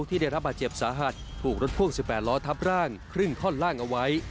ที่ได้รับบาดเจ็บสาหัสถูกรถพ่วง๑๘ล้อทับร่างครึ่งท่อนล่างเอาไว้